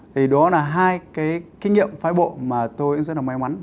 thì đó là hai cái kinh nghiệm phái bộ mà tôi cũng rất là may mắn